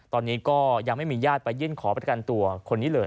ตอนนี้ก็ยังไม่มีญาติไปยื่นขอประกันตัวคนนี้เลย